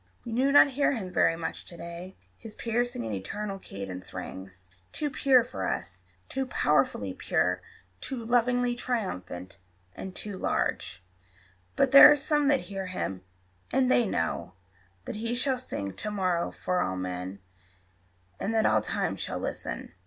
We do not hear him very much to day: His piercing and eternal cadence rings Too pure for us too powerfully pure, Too lovingly triumphant, and too large; But there are some that hear him, and they know That he shall sing to morrow for all men, And that all time shall listen.